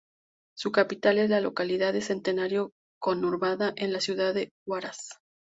Su capital es la localidad de Centenario conurbada en la ciudad de Huaraz.